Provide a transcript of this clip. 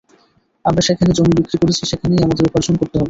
আমরা যেখানে জমি বিক্রি করেছি সেখানেই আমাদের উপার্জন করতে হবে।